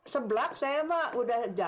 seblak saya emang udah